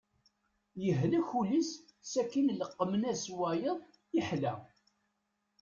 Yehlek ul-is sakin leqmen-as wayeḍ yeḥla.